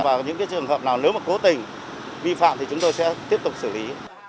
và những trường hợp nào nếu mà cố tình vi phạm thì chúng tôi sẽ tiếp tục xử lý